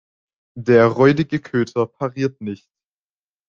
Der räudige Köter pariert nicht.